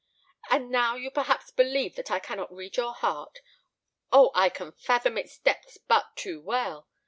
And now you perhaps believe that I cannot read your heart. Oh! I can fathom its depths but too well.